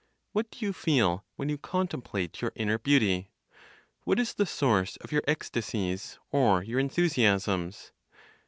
What do you feel when you contemplate your inner beauty? What is the source of your ecstasies, or your enthusiasms?